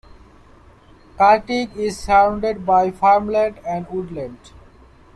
Carthage is surrounded by farmland and woodland.